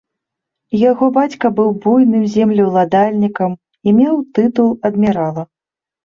Яго бацька быў буйным землеўладальнікам і меў тытул адмірала.